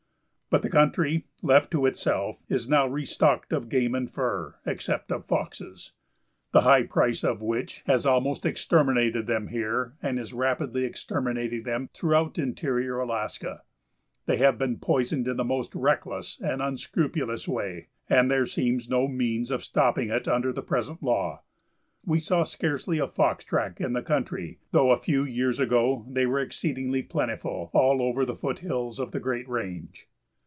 But the country, left to itself, is now restocked of game and fur, except of foxes, the high price of which has almost exterminated them here and is rapidly exterminating them throughout interior Alaska. They have been poisoned in the most reckless and unscrupulous way, and there seems no means of stopping it under the present law. We saw scarcely a fox track in the country, though a few years ago they were exceedingly plentiful all over the foot hills of the great range.